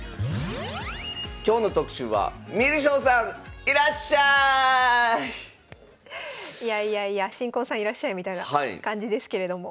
今日の特集はいやいやいや「新婚さんいらっしゃい！」みたいな感じですけれども。